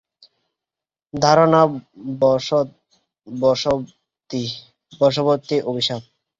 ধারনা বশবর্তী অভিশাপ!